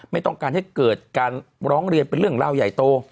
ไม่ต้องการให้เกิดการร้องเรียนเป็นเรื่องราวใหญ่โต